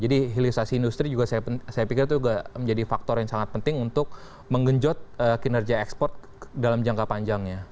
hilirisasi industri juga saya pikir itu juga menjadi faktor yang sangat penting untuk menggenjot kinerja ekspor dalam jangka panjangnya